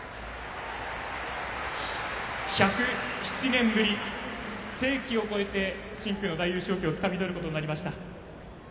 １０７年ぶり、世紀を越えて深紅の大優勝旗をつかみとることとなりました。